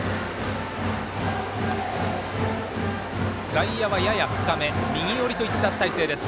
外野は、やや深め右寄りといった態勢です。